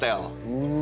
うん。